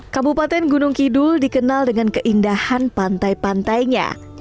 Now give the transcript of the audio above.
kabupaten gunung kidul dikenal dengan keindahan pantai pantainya